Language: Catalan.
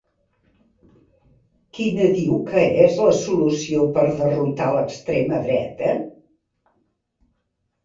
Quina diu que és la solució per derrotar a l'extrema dreta?